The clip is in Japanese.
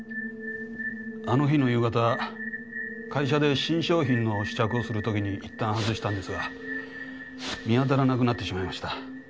あの日の夕方会社で新商品の試着をする時にいったん外したんですが見当たらなくなってしまいました。